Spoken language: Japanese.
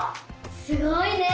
すごいね！